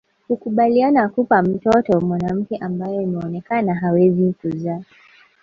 Hukubaliana kumpa mtoto mwanamke ambaye imeonekana hawezi kuzaa